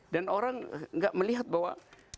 dan orang gak melihat bahwa